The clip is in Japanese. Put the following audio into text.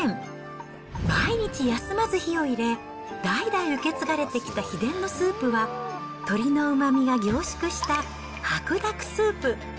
毎日休まず火を入れ、代々受け継がれてきた秘伝のスープは、鶏のうまみが凝縮した白濁スープ。